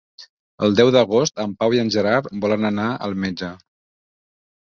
El deu d'agost en Pau i en Gerard volen anar al metge.